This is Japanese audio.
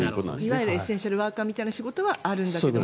いわゆるエッセンシャルワーカーみたいな仕事はあるんだけど